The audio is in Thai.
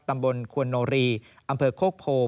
ตำบลควนโนรีอำเภอโคกโพ